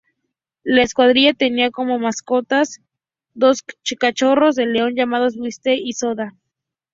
La escuadrilla tenía como mascotas dos cachorros de león llamados Whiskey y Soda.